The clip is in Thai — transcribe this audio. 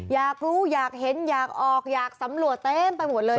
อยากรู้อยากเห็นอยากออกอยากสำรวจเต็มไปหมดเลย